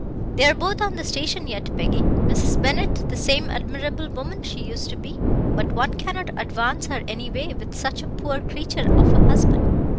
"They are both on the station yet, Peggy; Mrs. Bennett the same admirable woman she used to be, but one cannot advance her any way with such a poor creature of a husband.